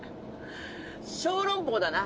小籠包だな。